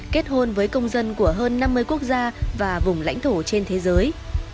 kết hôn với công dân của hơn năm mươi quốc gia và vùng lãnh thổ trên thế giới